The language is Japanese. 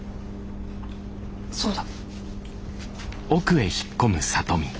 そうだ。